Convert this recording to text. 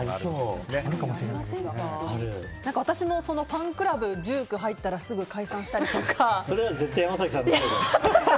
私もファンクラブ１９に入ったらすぐ解散したりとか。